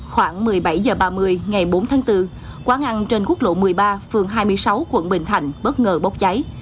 khoảng một mươi bảy h ba mươi ngày bốn tháng bốn quán ăn trên quốc lộ một mươi ba phường hai mươi sáu quận bình thạnh bất ngờ bốc cháy